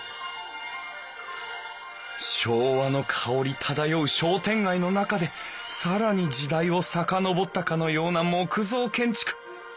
昭和の薫り漂う商店街の中で更に時代を遡ったかのような木造建築！